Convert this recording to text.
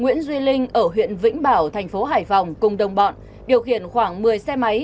nguyễn duy linh ở huyện vĩnh bảo thành phố hải phòng cùng đồng bọn điều khiển khoảng một mươi xe máy